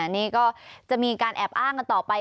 นี่ก็จะมีการแอบอ้างกันต่อไป